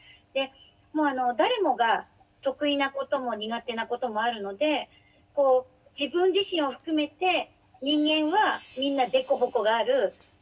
でもう誰もが得意なことも苦手なこともあるのでこう自分自身を含めて人間はみんな凸凹がある。